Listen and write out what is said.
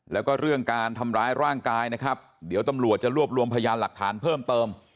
แล้วก็เรื่องการทำร้ายร่างกายนะครับเดี๋ยวตำรวจจะรวบรวมพยานหลักฐานเพิ่มเติม